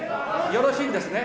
よろしいんですね？